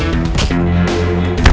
tuh kan abang